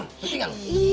ngerti gak lu